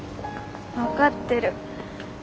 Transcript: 分かってる。